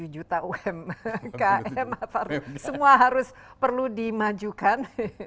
lima puluh tujuh juta umkm semua harus perlu dimajukan